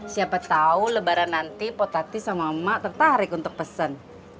siapa tahu lebaran nanti potatis sama emak tertarik untuk pesen